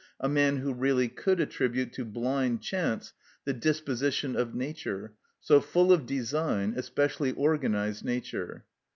_, a man who really could attribute to blind chance the disposition of nature, so full of design, especially organised nature.